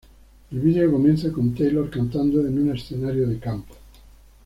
El video comienza con Taylor cantando en un escenario de campo.